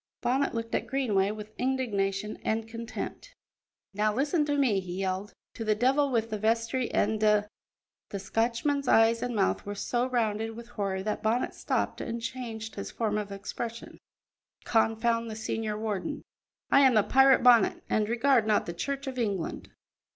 Bonnet looked at Greenway with indignation and contempt. "Now listen to me," he yelled. "To the devil with the vestry and da " the Scotchman's eyes and mouth were so rounded with horror that Bonnet stopped and changed his form of expression "confound the senior warden. I am the pirate Bonnet, and regard not the Church of England."